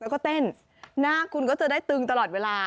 แล้วก็เต้นหน้าคุณก็จะได้ตึงตลอดเวลา